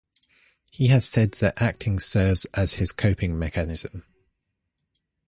He has said that acting serves as his coping mechanism.